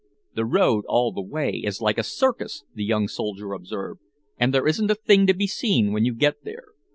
"The road all the way is like a circus," the young soldier observed, "and there isn't a thing to be seen when you get there.